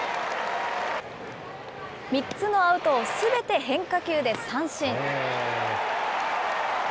３つのアウトをすべて変化球で三振。